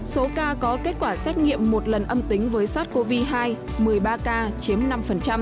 số ca có kết quả xét nghiệm một lần âm tính với sars cov hai một mươi ba ca chiếm năm